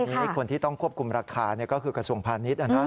คือคนที่ต้องควบคุมราคาก็คือกระทรวงพาณิชย์